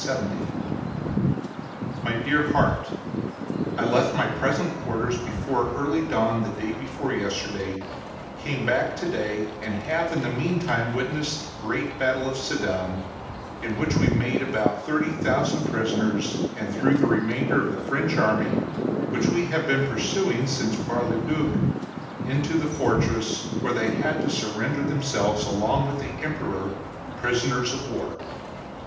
My Dear Heart: I left my present quarters before early dawn the day before yesterday, came back to day, and have in the mean time witnessed the great battle of Sedan, in which we made about thirty thousand prisoners, and threw the remainder of the French army, which we have been pursuing since Bar le Duc, into the fortress, where they had to surrender themselves, along with the Emperor, prisoners of war.